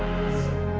buka pintunya minah